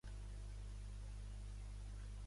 Ella el visita a Ankh-Morpork, i s'escriuen cartes.